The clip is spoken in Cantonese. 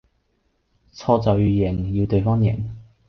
錯就要認，要對方認